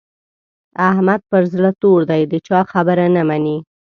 احمد پر زړه تور دی؛ د چا خبره نه مني.